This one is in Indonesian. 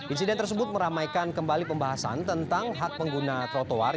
insiden tersebut meramaikan kembali pembahasan tentang hak pengguna trotoar